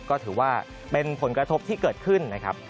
ก็ถือว่าเป็นผลกระทบที่เกิดขึ้นนะครับ